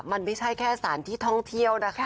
มันไม่ใช่แค่สถานที่ท่องเที่ยวนะคะ